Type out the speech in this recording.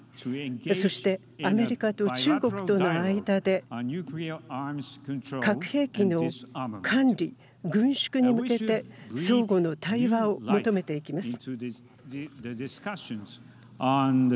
そして、アメリカと中国との間で核兵器の管理、軍縮に向けて相互の対話を求めていきます。